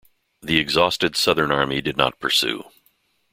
The exhausted southern army did not pursue.